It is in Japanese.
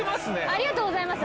ありがとうございます。